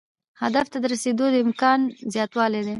هدف ته د رسیدو د امکان زیاتوالی دی.